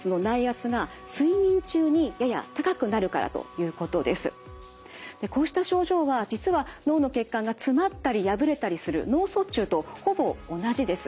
どうしてかといいますとこうした症状は実は脳の血管が詰まったり破れたりする脳卒中とほぼ同じです。